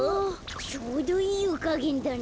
ちょうどいいゆかげんだね。